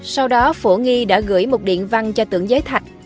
sau đó phổ nghi đã gửi một điện văn cho tưởng giới thạch